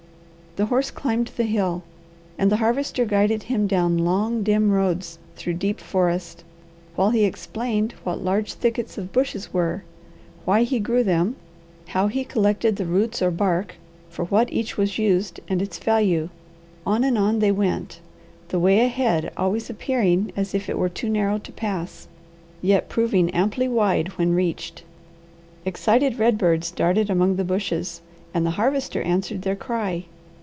The horse climbed the hill, and the Harvester guided him down long, dim roads through deep forest, while he explained what large thickets of bushes were, why he grew them, how he collected the roots or bark, for what each was used and its value. On and on they went, the way ahead always appearing as if it were too narrow to pass, yet proving amply wide when reached. Excited redbirds darted among the bushes, and the Harvester answered their cry.